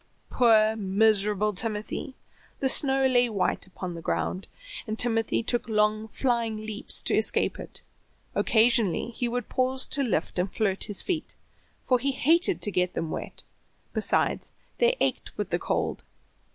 Poor, miserable Timothy! The snow lay white upon the ground, and Timothy took long flying leaps to escape it. Occasionally he would pause to lift and flirt his feet, for he hated to get them wet; besides, they ached with the cold.